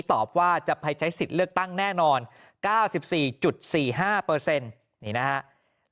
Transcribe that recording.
ตอบว่าจะไปใช้สิทธิ์เลือกตั้งแน่นอน๙๔๔๕นี่นะครับ